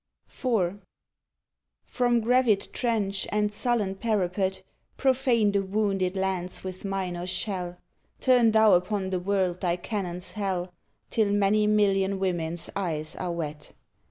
124 ON THE GREAT WAR IV From gravid trench and sullen parapet, Profane the wounded lands with mine or shell! Turn thou upon the world thy cannons Hell, Till many million women s eyes are wet!